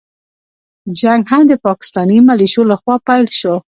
جنګ هم د پاکستاني مليشو له خوا پيل شو.